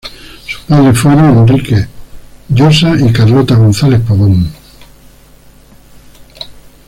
Sus padres fueron Enrique Llosa y Carlota González Pavón.